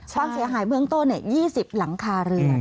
ความเสียหายเบื้องต้น๒๐หลังคาเรือน